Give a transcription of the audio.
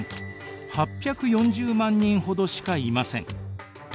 ８４０万人ほどしかいません。